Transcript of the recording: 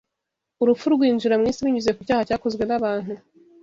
urupfu rwinjira mu isi binyuze ku cyaha cyakozwe nabantu